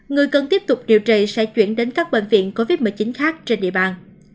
người cần tiếp tục điều trị sẽ chuyển đến các bệnh viện covid một mươi chín khác trên địa bàn